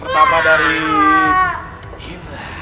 pertama dari indra